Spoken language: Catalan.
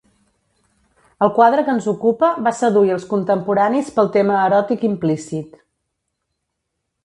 El quadre que ens ocupa va seduir els contemporanis pel tema eròtic implícit.